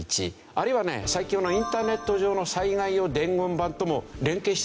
あるいはね最近はインターネット上の災害用伝言板とも連携してましてね